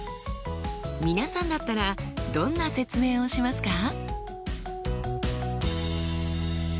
皆さんだったらどんな説明をしますか？